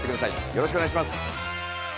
よろしくお願いします。